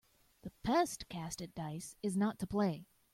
The best cast at dice is not to play.